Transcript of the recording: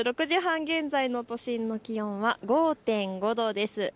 ６時半現在の都心の気温は５．５度です。